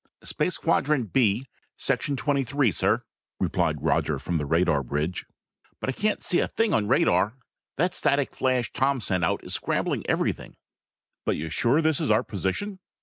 "Space quadrant B, section twenty three, sir," replied Roger from the radar bridge. "But I can't see a thing on the radar. That static flash Tom sent out is scrambling everything." "But you're sure this is our position?"